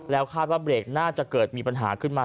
แล้วคาดว่าเบรกน่าจะเกิดมีปัญหาขึ้นมา